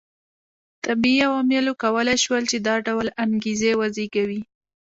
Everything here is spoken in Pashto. طبیعي عواملو کولای شول چې دا ډول انګېزې وزېږوي